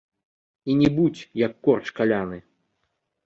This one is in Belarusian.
І не будзь, як корч каляны!